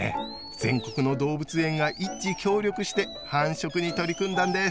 全国の動物園が一致協力して繁殖に取り組んだんです。